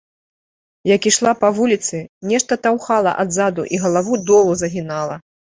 Як ішла па вуліцы, нешта таўхала адзаду і галаву долу загінала.